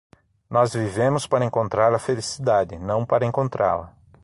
Nós vivemos para encontrar a felicidade, não para encontrá-la.